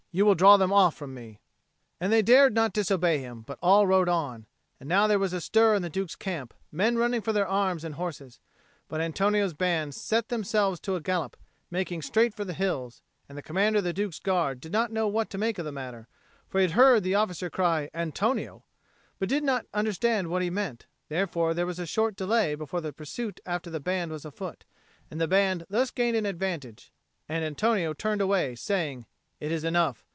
You will draw them off from me." And they dared not disobey him, but all rode on. And now there was a stir in the Duke's camp, men running for their arms and their horses. But Antonio's band set themselves to a gallop, making straight for the hills; and the commander of the Duke's Guard did not know what to make of the matter; for he had heard the officer cry "Antonio," but did not understand what he meant; therefore there was a short delay before the pursuit after the band was afoot; and the band thus gained an advantage, and Antonio turned away, saying, "It is enough.